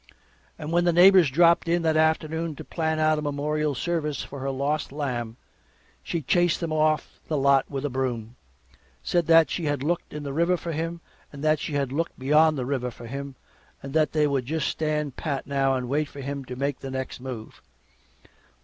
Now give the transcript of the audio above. And when the neighbors dropped in that afternoon to plan out a memorial service for her "lost lamb," she chased them off the lot with a broom. Said that they had looked in the river for him and that she had looked beyond the river for him, and that they would just stand pat now and wait for him to make the next move.